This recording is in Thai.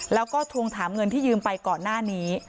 แล้วก็ทวงถามเงินที่ยืมไปก่อนหน้านี้